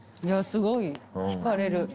いやすごい引かれる。